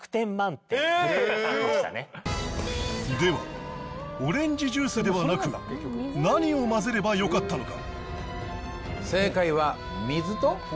ではオレンジジュースではなく何を混ぜればよかったのか？